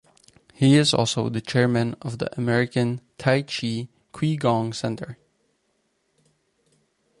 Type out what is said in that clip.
He is also the chairman of the American Tai Chi Qigong Center.